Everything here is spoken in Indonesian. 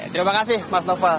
terima kasih mas noval